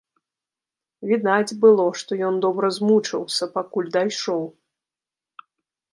Відаць было, што ён добра змучыўся, пакуль дайшоў.